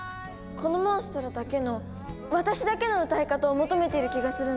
このモンストロだけの私だけの歌い方を求めている気がするんです。